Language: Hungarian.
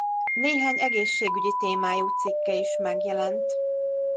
Néhány egészségügyi témájú cikke is megjelent.